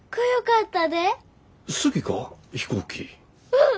うん！